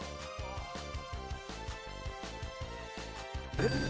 えっ？